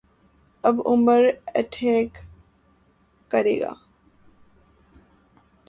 آب عمر انٹهیک کرے گا